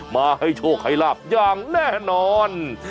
มาให้โชคให้ลาบอย่างแน่นอน